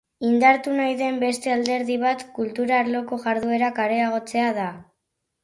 Indartu nahi den beste alderdi bat kultura arloko jarduerak areagotzea da.